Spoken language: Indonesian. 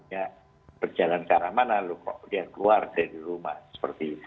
ya berjalan ke arah mana kok dia keluar dari rumah seperti itu